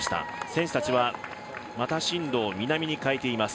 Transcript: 選手たちはまた進路を南に変えていきます。